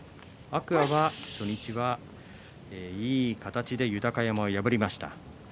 天空海は、初日はいい形で豊山を破りました。